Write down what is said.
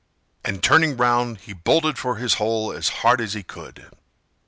And turning round, he bolted for his hole as hard as he could.